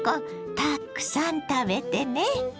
たくさん食べてね。